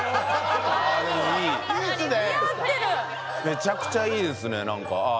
めちゃくちゃいいですね何か。